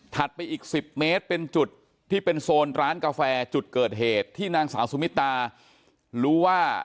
ไปอีก๑๐เมตรเป็นจุดที่เป็นโซนร้านกาแฟจุดเกิดเหตุที่นางสาวสุมิตารู้ว่า